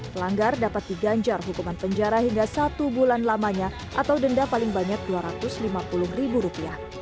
pelanggar dapat diganjar hukuman penjara hingga satu bulan lamanya atau denda paling banyak rp dua ratus lima puluh